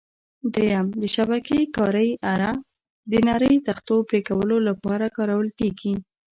درېیم: د شبکې کارۍ اره: د نرۍ تختو پرېکولو لپاره کارول کېږي.